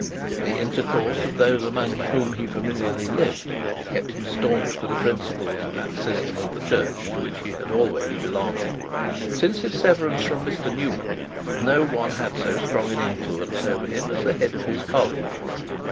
The intercourse of those among whom he familiarly lived kept him staunch to the principles of that system of the Church to which he had always belonged. Since his severance from Mr Newman, no one had had so strong an influence over him as the head of his college.